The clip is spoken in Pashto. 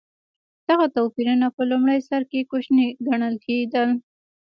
دغه توپیرونه په لومړي سر کې کوچني ګڼل کېدل.